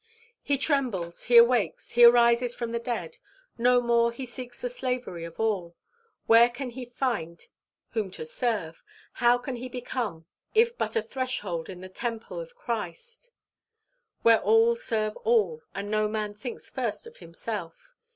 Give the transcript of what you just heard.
He trembles, he awakes, he rises from the dead. No more he seeks the slavery of all: where can he find whom to serve? how can he become if but a threshold in the temple of Christ, where all serve all, and no man thinks first of himself?